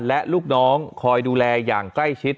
และลูกน้องคอยดูแลอย่างใกล้ชิด